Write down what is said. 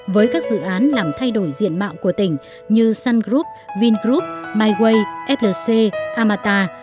với các dự án làm thay đổi diện mạo của tỉnh như sun group vingroup myway flc amata